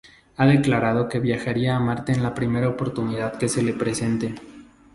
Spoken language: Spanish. Ha declarado que viajaría a Marte en la primera oportunidad que se le presente.